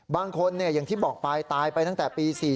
บางคนอย่างที่บอกไปตายไปตั้งแต่ปี๔๔